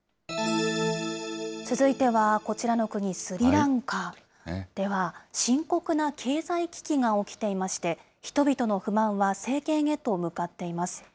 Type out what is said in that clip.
続いてはこちらの国、スリランカでは、深刻な経済危機が起きていまして、人々の不満は政権へと向かっています。